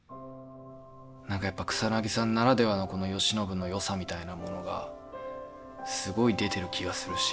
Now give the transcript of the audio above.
何かやっぱ草さんならではのこの慶喜のよさみたいなものがすごい出てる気がするし。